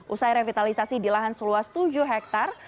usai revitalisasi di lahan seluas tujuh hektare